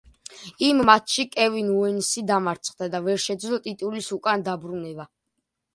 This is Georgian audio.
იმ მატჩში კევინ ოუენსი დამარცხდა და ვერ შეძლო ტიტულის უკან დაბრუნება.